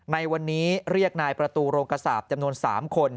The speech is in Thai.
ในวันนี้เรียกนายประตูโรงกระสาปจำนวน๓คน